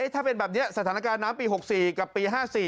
ถ้าเป็นแบบนี้สถานการณ์น้ำปี๖๔กับปี๕๔